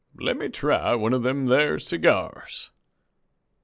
"Let me try one of them thar seegyars."